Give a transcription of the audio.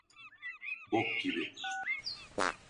Bok gibi.